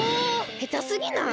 へたすぎない？